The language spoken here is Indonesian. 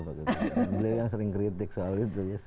beliau yang sering kritik soal itu